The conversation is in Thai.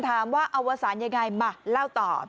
ว่าอวสารยังไงมาเล่าต่อ